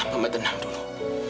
mama tenang dulu